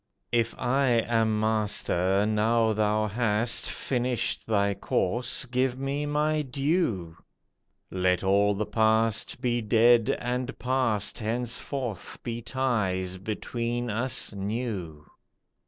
"If I am Master, now thou hast Finished thy course, give me my due. Let all the past, be dead and past, Henceforth be ties between us new."